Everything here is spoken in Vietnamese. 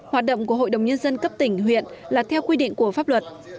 hoạt động của hội đồng nhân dân cấp tỉnh huyện là theo quy định của pháp luật